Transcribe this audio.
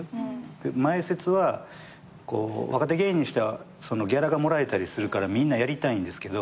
前説は若手芸人はギャラがもらえたりするからみんなやりたいんですけど。